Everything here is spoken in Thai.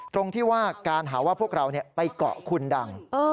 ตรงที่ว่าการหาว่าพวกเราไปเกาะคุณดัง